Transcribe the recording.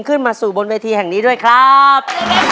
ขึ้นมาสู่บนเวทีแห่งนี้ด้วยครับ